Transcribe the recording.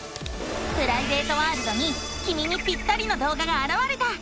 プライベートワールドにきみにぴったりの動画があらわれた！